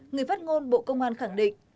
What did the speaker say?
người phát ngôn bộ công an khẳng định